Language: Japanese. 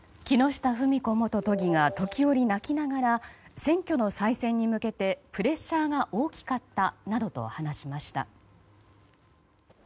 木下富美子元都議が時折、泣きながら選挙の再選に向けてプレッシャーが大きかったなどと話しました。